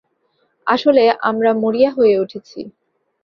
আসলে, আমরা মরিয়া হয়ে উঠেছি।